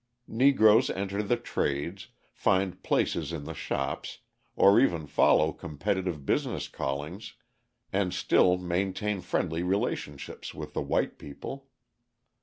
Negroes enter the trades, find places in the shops, or even follow competitive business callings and still maintain friendly relationships with the white people.